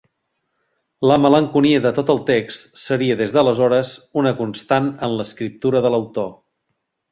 La malenconia de tot el text seria des d'aleshores una constant en l'escriptura de l'autor.